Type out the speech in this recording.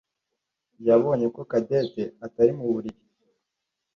yabonye ko Cadette atari mu buriri.